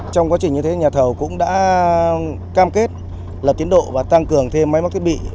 trong quá trình như thế nhà thầu cũng đã cam kết là tiến độ và tăng cường thêm máy móc thiết bị